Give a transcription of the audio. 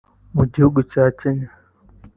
mu gihugu cya Kenya